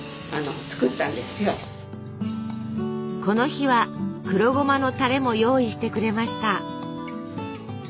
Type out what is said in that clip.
この日は黒ごまのたれも用意してくれました。